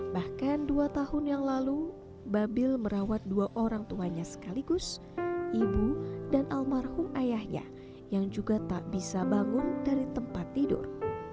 bahkan dua tahun yang lalu babil merawat dua orang tuanya sekaligus ibu dan almarhum ayahnya yang juga tak bisa bangun dari tempat tidur